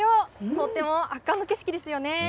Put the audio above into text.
とても圧巻の景色ですよね。